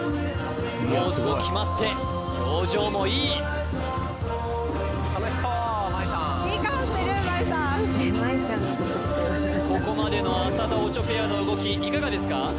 ポーズも決まって表情もいいここまでの浅田・オチョペアの動きいかがですか？